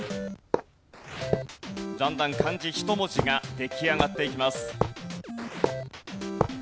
だんだん漢字１文字が出来上がっていきます。